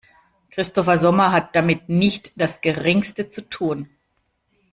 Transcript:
Christopher Sommer hat damit nicht das Geringste zu tun.